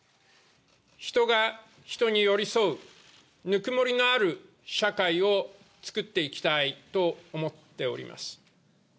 人が人に寄り添う、ぬくもりのある社会を作っていきたいと思っております。